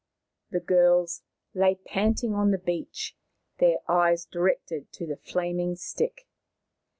The girls lay panting on the beach, their eyes directed to the flaming stick.